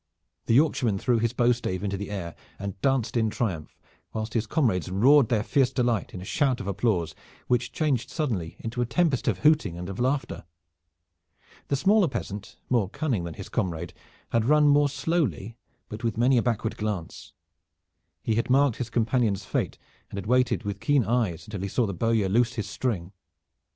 The Yorkshireman threw his bowstave into the air and danced in triumph, whilst his comrades roared their fierce delight in a shout of applause, which changed suddenly into a tempest of hooting and of laughter. The smaller peasant, more cunning, than his comrade, had run more slowly, but with many a backward glance. He had marked his companion's fate and had waited with keen eyes until he saw the bowyer loose his string.